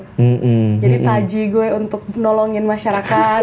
jadi taji gue untuk nolongin masyarakat